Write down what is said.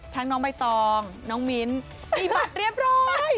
น้องใบตองน้องมิ้นมีบัตรเรียบร้อย